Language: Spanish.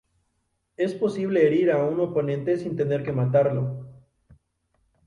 Es posible herir a un oponente sin tener que matarlo.